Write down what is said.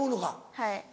はい。